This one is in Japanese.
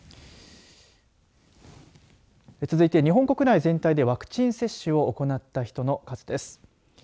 続いて日本国内全体でワクチン接種を行った人の数です。